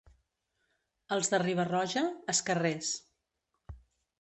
Els de Riba-roja, esquerrers.